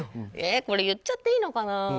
これ言っちゃっていいのかな。